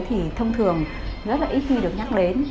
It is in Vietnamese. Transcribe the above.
thì thông thường rất là ít khi được nhắc đến